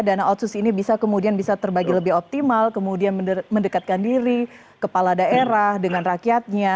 dana otsus ini bisa kemudian bisa terbagi lebih optimal kemudian mendekatkan diri kepala daerah dengan rakyatnya